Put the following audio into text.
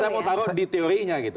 saya mau taruh di teorinya gitu